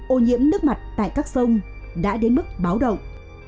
ô nhiễm nước mặt tại các sông đã đến mức báo động